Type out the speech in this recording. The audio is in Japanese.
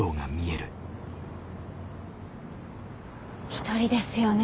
１人ですよね？